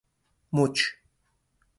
مچ